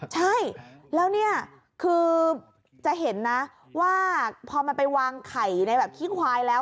ใช่แล้วเนี่ยคือจะเห็นนะว่าพอมันไปวางไข่ในแบบขี้ควายแล้ว